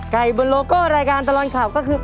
บนโลโก้รายการตลอดข่าวก็คือ